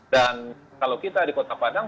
dan kalau kita di kota padang